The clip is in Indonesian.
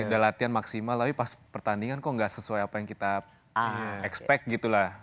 udah latihan maksimal tapi pas pertandingan kok gak sesuai apa yang kita expect gitu lah